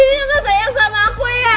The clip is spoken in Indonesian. jadi gak sayang sama aku ya